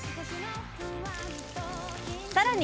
さらに！